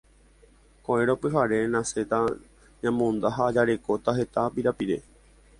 Ko'ẽrõ pyhare ñasẽta ñamonda ha jarekóta heta pirapire